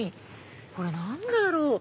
これ何だろう？